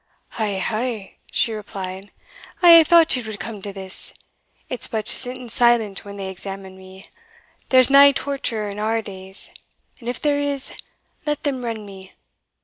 "Ha, ha!" she replied, "I aye thought it would come to this. It's but sitting silent when they examine me there's nae torture in our days; and if there is, let them rend me!